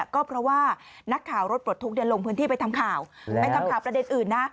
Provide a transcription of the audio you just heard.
ก็เพราะว่านักข่าวรถปลดทุกข์ลงพื้นที่ไปทำข่าวไปทำข่าวประเด็นอื่นนะ